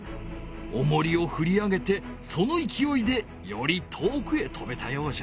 おもりをふり上げてそのいきおいでより遠くへとべたようじゃ。